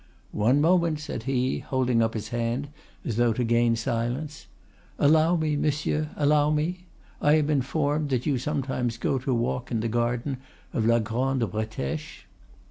"'One moment!' said he, holding up his hand as though to gain silence. 'Allow me, monsieur, allow me! I am informed that you sometimes go to walk in the garden of la Grande Bretèche.